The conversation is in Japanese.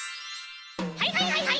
はいはいはいはい！